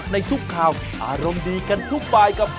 สวัสดีครับ